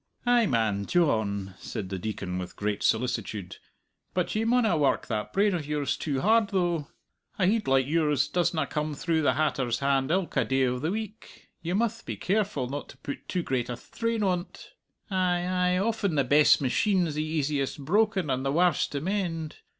"Ay man, Dyohn," said the Deacon with great solicitude; "but you maunna work that brain o' yours too hard, though. A heid like yours doesna come through the hatter's hand ilka day o' the week; you mutht be careful not to put too great a thtrain on't. Ay, ay; often the best machine's the easiest broken and the warst to mend.